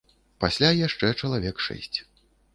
Пасля яшчэ чалавек шэсць.